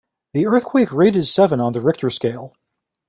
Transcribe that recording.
The earthquake rated seven on the Richter scale.